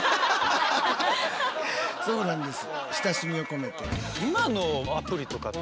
そうなんです。